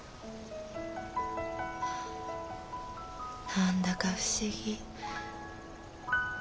何だか不思議。